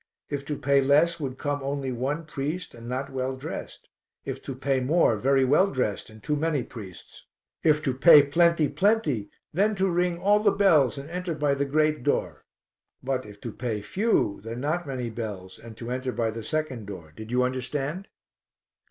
If to pay less would come only one priest and not well dressed, if to pay more, very well dressed and too many priests. If to pay plenty, plenty, then to ring all the bells and enter by the great door; but if to pay few, then not many bells and to enter by the second door. Did you understand?